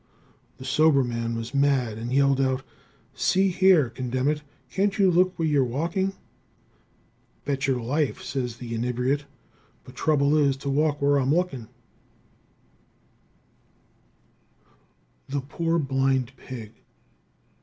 The sober man was mad, and yelled out: "See here; condemn it, can't you look where you're walking?" "Betcher life," says the inebriate, "but trouble is to walk where I'm lookin'." The Poor Blind Pig.